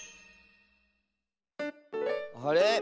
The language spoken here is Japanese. あれ？